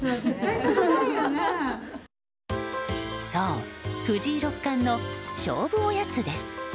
そう、藤井六冠の勝負おやつです。